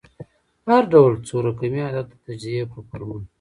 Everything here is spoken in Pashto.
په هر ډول څو رقمي عدد د تجزیې په فورمول